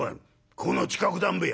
「この近くだんべや？」。